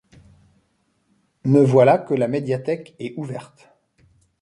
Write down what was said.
Me voilà que la médiathèque et ouverte